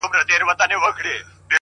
څنگه هېر کم پر دې لار تللي کلونه -